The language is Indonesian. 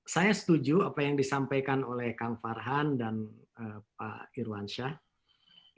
saya setuju apa yang disampaikan oleh kang farhan dan pak irwansyah